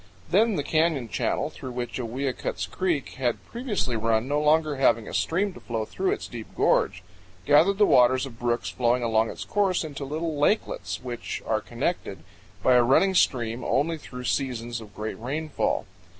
Then the canyon channel through which Owiyukuts Creek had previously run, no longer having a stream to flow through its deep gorge, gathered the waters of brooks flowing along its course into little lakelets, which are connected by a running stream only through seasons of great rainfall.